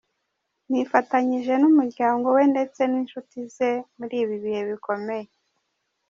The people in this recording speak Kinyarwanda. Nifatanyije n’umuryango we ndetse n’inshuti ze muri ibi bihe bikomeye.